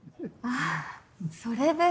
ああそれで。